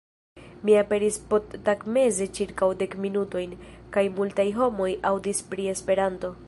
Mi aperis posttagmeze ĉirkaŭ dek minutojn, kaj multaj homoj aŭdis pri Esperanto.